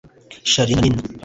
Charly na Nina